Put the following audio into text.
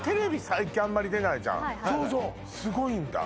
最近あんまり出ないじゃんすごいんだ？